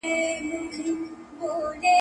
د قصاص په تطبیق کي د ټولني ګټه ده.